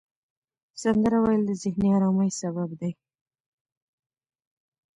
سندره ویل د ذهني آرامۍ سبب دی.